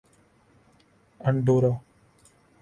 Andorra